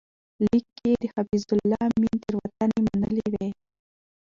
لیک کې یې د حفیظالله امین تېروتنې منلې وې.